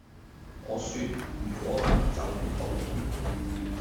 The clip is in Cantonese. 我說......如果能走便好，